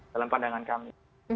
dalam pandangan kami